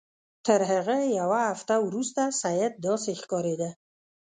تر هغه یوه هفته وروسته سید داسې ښکارېده.